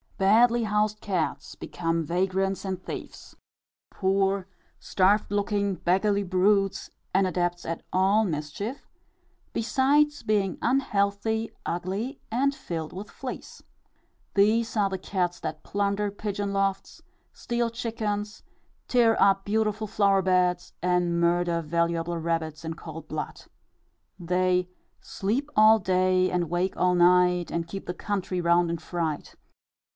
Badly housed cats become vagrants and thieves, poor, starved looking, beggarly brutes, and adepts at all mischief, besides being unhealthy, ugly, and filled with fleas. These are the cats that plunder pigeon lofts, steal chickens, tear up beautiful flower beds, and murder valuable rabbits in cold blood. They "Sleep all day, and wake all night, And keep the country round in fright."